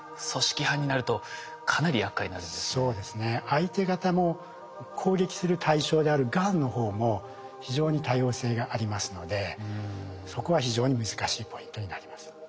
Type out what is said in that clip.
相手方も攻撃する対象であるがんの方も非常に多様性がありますのでそこは非常に難しいポイントになります。